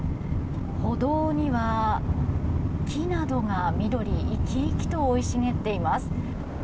歩道には木などが緑生き生きと生い茂っています。